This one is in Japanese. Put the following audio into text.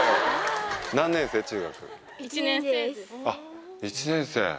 あっ一年生。